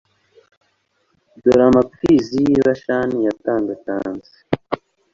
dore amapfizi y'i bashani yantangatanze